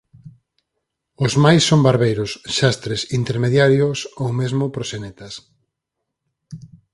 Os máis son barbeiros, xastres, intermediarios ou mesmo proxenetas.